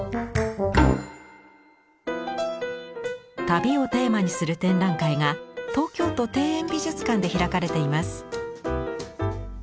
旅をテーマにする展覧会が東京都庭園美術館で開かれています。